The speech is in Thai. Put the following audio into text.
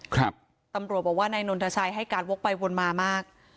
ครับตำรวจบอกว่านายนนทชัยให้การวกไปวนมามาก